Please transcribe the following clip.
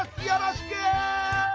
よろしく！